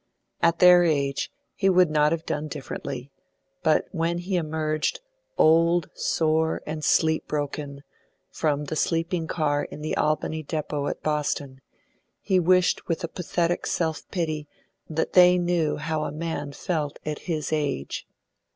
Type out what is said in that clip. At their age, he would not have done differently; but when he emerged, old, sore, and sleep broken, from the sleeping car in the Albany depot at Boston, he wished with a pathetic self pity that they knew how a man felt at his age.